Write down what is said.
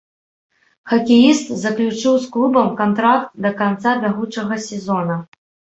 Хакеіст заключыў з клубам кантракт да канца бягучага сезона.